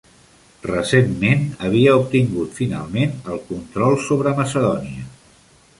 Recentment havia obtingut finalment el control sobre Macedònia.